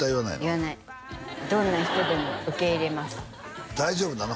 言わないどんな人でも受け入れます大丈夫なの？